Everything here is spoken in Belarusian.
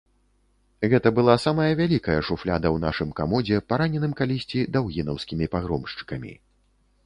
Гэта была самая вялікая шуфляда ў нашым камодзе, параненым калісьці даўгінаўскімі пагромшчыкамі.